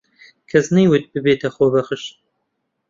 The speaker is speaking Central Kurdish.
کەس نایەوێت ببێتە خۆبەخش.